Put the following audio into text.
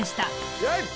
イエイ！